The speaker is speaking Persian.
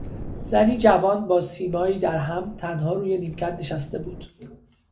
زنی جوان، با سیمایی در هم، تنها روی نیمکت نشسته بود.